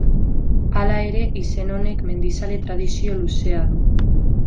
Hala ere, izen honek, mendizale tradizio luzea du.